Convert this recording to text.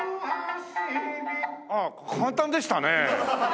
あっ簡単でしたね。